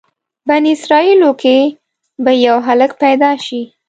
بني اسرایلو کې به یو هلک پیدا شي.